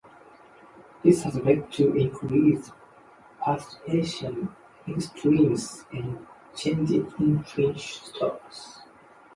This has led to increased precipitation extremes, and changes in fish stocks.